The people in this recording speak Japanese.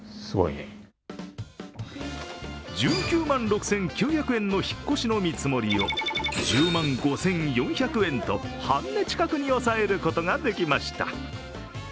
１９万６９００円の引っ越しの見積もりを１０万５４００円と、半値近くに抑えることができました。